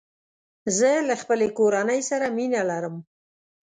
زه له خپلې کورني سره مینه لرم.